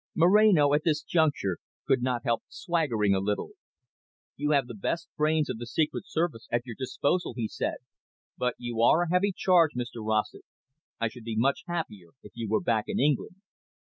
Moreno at this juncture could not help swaggering a little. "You have the best brains of the Secret Service at your disposal," he said, "but you are a heavy charge, Mr Rossett. I should be much happier if you were back in England."